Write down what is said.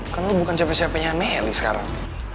kan lo bukan siapa siapanya meli sekarang